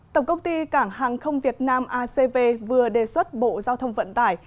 tổng công ty cảng hàng không việt nam acv vừa đề xuất bộ giao thông vận tải